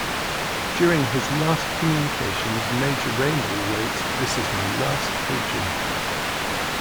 During his last communications, Major Raynal wrote "This is my last pigeon".